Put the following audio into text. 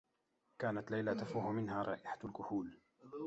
كانت ليلى تفوح منها رائحة الكحول.